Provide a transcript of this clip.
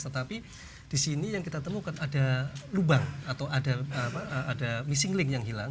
tetapi di sini yang kita temukan ada lubang atau ada missing link yang hilang